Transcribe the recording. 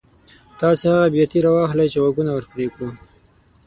تاسې هغه بیاتي را واخلئ چې غوږونه ور پرې کړو.